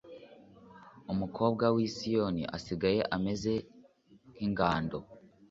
Umukobwa w’i Siyoni asigaye ameze nk’ingando